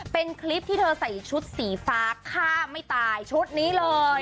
เป็นคลิปที่เธอใส่ชุดสีฟ้าฆ่าไม่ตายชุดนี้เลย